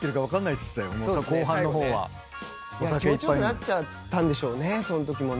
いや気持ち良くなっちゃったんでしょうね。